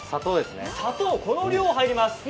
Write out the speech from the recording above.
砂糖、この量が入ります